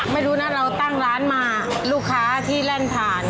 ไม่รู้นะเราตั้งร้านมาลูกค้าที่แล่นผ่าน